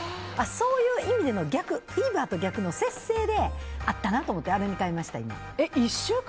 そういう意味でのフィーバーとの逆の節制であったなと思ってあるに変えました。